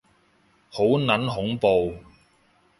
好撚恐怖